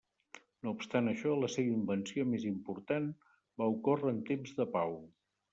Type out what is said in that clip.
No obstant això, la seva invenció més important va ocórrer en temps de pau.